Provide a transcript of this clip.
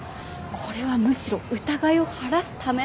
これはむしろ疑いを晴らすためなんだから。